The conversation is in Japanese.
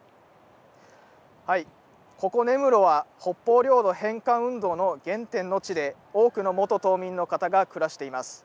ここ根室は、北方領土返還運動の原点の地で、多くの元島民の方が暮らしています。